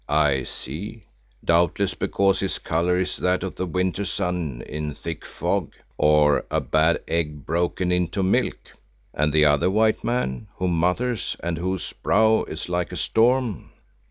"I see, doubtless because his colour is that of the winter sun in thick fog, or a bad egg broken into milk. And the other white man who mutters and whose brow is like a storm?"